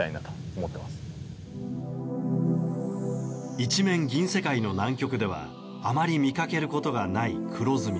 一面、銀世界の南極ではあまり見かけることがない黒ずみ。